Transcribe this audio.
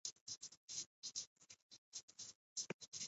দেহের এই সকল তৃষ্ণা শুধু ক্ষণিক তৃপ্তি এবং অশেষ দুঃখের কারণ হয়।